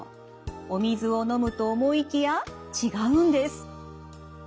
お水を飲むと思いきや違うんです。